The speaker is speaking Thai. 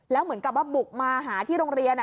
แล้วเหมือนกับว่าบุกมาหาที่โรงเรียน